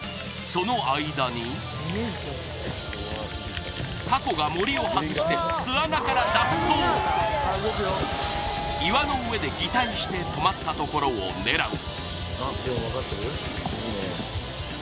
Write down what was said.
その間にタコがモリを外して巣穴から脱走岩の上で擬態して止まったところを狙う